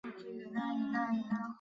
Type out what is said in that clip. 特鲁桑库尔。